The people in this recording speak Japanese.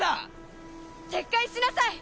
撤回しなさい！